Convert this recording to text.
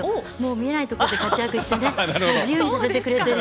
見えないところで活躍して自由にさせてくれている。